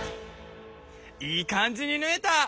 いい感じにぬえた！